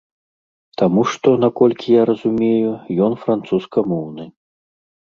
Таму што, наколькі я разумею, ён французскамоўны.